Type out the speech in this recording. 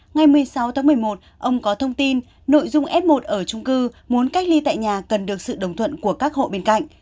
ngày một mươi sáu tháng một mươi một ông có thông tin nội dung f một ở trung cư muốn cách ly tại nhà cần được sự đồng thuận của các hộ bên cạnh